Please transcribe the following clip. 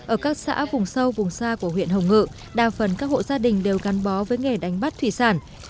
ở các xã vùng sâu vùng xa của huyện hồng ngự đa phần các hộ gia đình đều gắn bó với nghề đánh bắt thủy sản